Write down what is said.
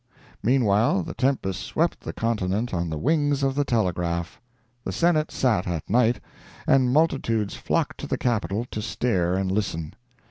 Meanwhile the tempest swept the continent on the wings of the telegraph. The Senate sat at night, and multitudes flocked to the Capitol to stare and listen.